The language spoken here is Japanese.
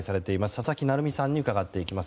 佐々木成三さんに伺っていきます。